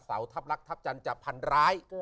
เสาทัพรักทัพจันจะพรรร้าย